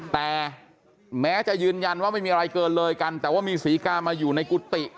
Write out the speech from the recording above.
แต่แม้จะยืนยันว่าไม่มีอะไรเกินเลยกันแต่ว่ามีศรีกามาอยู่ในกุฏิ